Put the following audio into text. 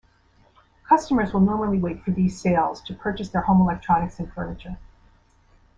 Customers will normally wait for these sales to purchase their home electronics and furniture.